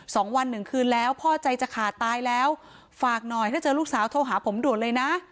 สองวันหนึ่งคืนแล้วพ่อใจจะขาดตายแล้วฝากหน่อยถ้าเจอลูกสาวโทรหาผมด่วนเลยนะ